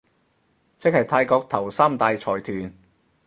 即係泰國頭三大財團